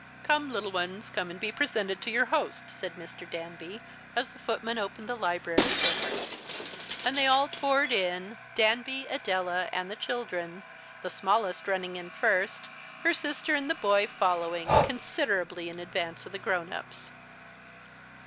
"Come, little ones, come and be presented to your host," said Mr. Danby, as the footman opened the library door; and they all poured in, Danby, Adela, and the children, the smallest running in first, her sister and the boy following, considerably in advance of the grown ups.